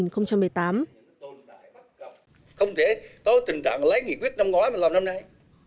không thể có tình trạng lấy nghị quyết năm ngoái mà làm năm nay